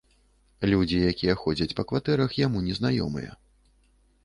Людзі, якія ходзяць па кватэрах, яму незнаёмыя.